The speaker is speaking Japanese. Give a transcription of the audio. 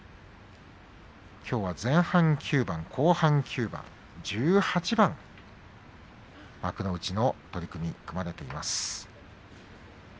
きょうは前半９番、後半９番１８番幕内の取組、組まれています。